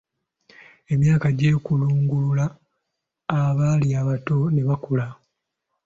Emyaka gy'ekulungulula abaali abato ne bakula.